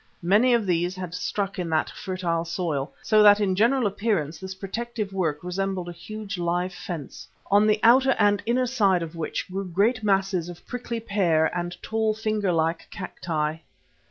Many of these had struck in that fertile soil, so that in general appearance this protective work resembled a huge live fence, on the outer and inner side of which grew great masses of prickly pear and tall, finger like cacti.